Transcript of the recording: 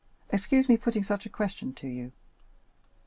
Excuse my putting such a question to you."